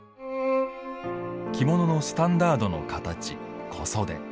着物のスタンダードの形「小袖」。